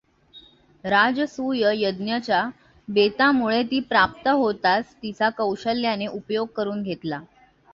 राजसूय यज्ञच्या बेतामुळे ती प्राप्त होतांच तिचा कौशल्याने उपयोग करून घेतला.